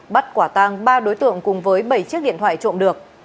bắt quả tang ba đối tượng cùng với bảy chiếc điện thoại trộm được